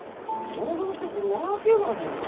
戻ってくるわけがねえが。